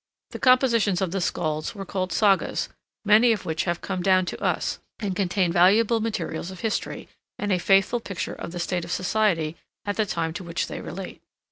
The compositions of the Skalds were called Sagas, many of which have come down to us, and contain valuable materials of history, and a faithful picture of the state of society at the time to which they relate.